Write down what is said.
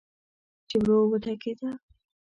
چې ور وټکېده.